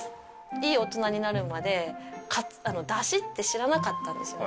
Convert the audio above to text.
いい大人になるまでだしって知らなかったんですよね。